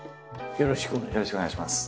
よろしくお願いします。